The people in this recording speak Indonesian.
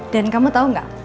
dan kamu tau gak